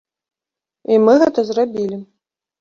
І мы гэта зрабілі.